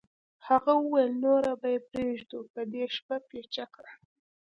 هغه وویل نوره به پرېږدو په دې شپه پیچکه